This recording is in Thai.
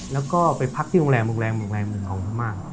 แล้วก็ไปพักที่โรงแรงมุ่งวงต